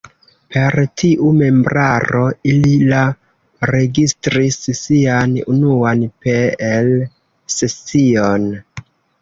Per tiu membraro ili la registris sian unuan Peel-sesion.